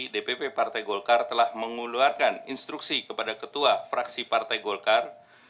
dpp partai golkar telah mengeluarkan instruksi kepada ketua fraksi partai golkar